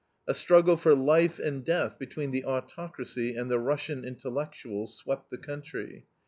A struggle for life and death between the autocracy and the Russian intellectuals swept the country.